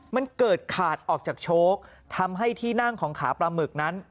มันเกิดขาดออกจากโชคทำให้ที่นั่งของขาปลาหมึกนั้น